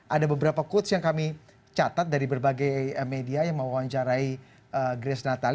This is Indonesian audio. ada beberapa quote yang kami catat dari berbagai media yang mau wawancarai grace nathan